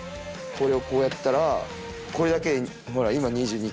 これをこうやったらこれだけでほら今２２ｋｇ。